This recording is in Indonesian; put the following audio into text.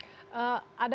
adakah kendala yang terjadi